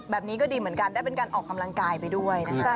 แบบนี้ก็ดีเหมือนกันได้เป็นการออกกำลังกายไปด้วยนะคะ